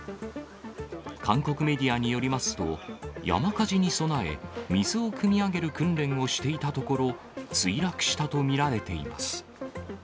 韓国メディアによりますと、山火事に備え、水をくみ上げる訓練をしていたところ、墜落したと見られています。